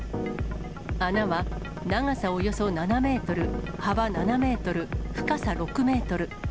穴は長さおよそ７メートル、幅７メートル、深さ６メートル。